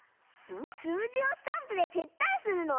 すうじをスタンプでペッタンするのは？